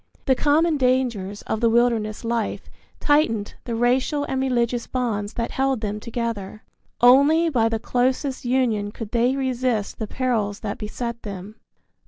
The common dangers of the wilderness life tightened the racial and religious bonds that held them together. Only by the closest union could they resist the perils that beset them.